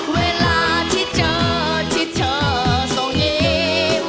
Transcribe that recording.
เวลาที่เจอที่เธอทรงยิ้ม